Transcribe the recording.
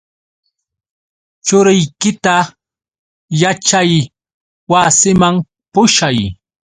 Churiykita yaćhaywasiman pushay.